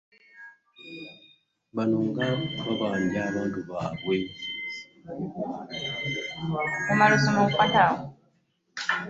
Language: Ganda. Bano nga babanja abantu baabwe